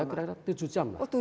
kira kira tujuh jam lah